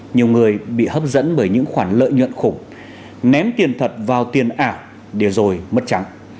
nhiều người bị hấp dẫn bởi những khoản lợi nhuận khủng ném tiền thật vào tiền ảo để rồi mất trắng